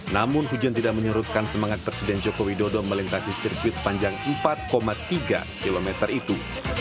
namun hujan tidak menyerutkan semangat presiden joko widodo melintasi sirkuit sepanjang empat tiga km itu